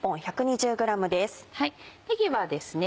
ねぎはですね